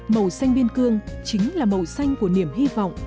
màu xanh biên cương chính là màu xanh của niềm hy vọng